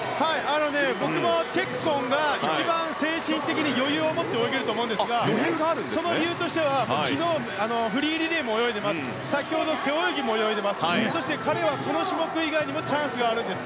僕はチェッコンが一番精神的に余裕を持って泳げると思いますがその理由としては昨日、フリーリレーも泳いでいて先ほどの背泳ぎも泳いでいてそして彼はこの種目以外にもチャンスがあるんです。